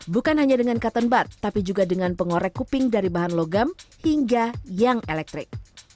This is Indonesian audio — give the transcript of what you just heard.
bukan hanya dengan cotton but tapi juga dengan pengorek kuping dari bahan logam hingga yang elektrik